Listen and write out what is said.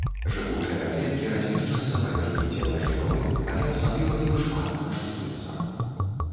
Жыгучыя клеткі размешчаны на паверхні цела жывёлы, але асабліва іх шмат на шчупальцах.